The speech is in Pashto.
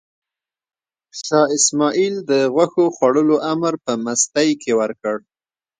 شاه اسماعیل د غوښو خوړلو امر په مستۍ کې ورکړ.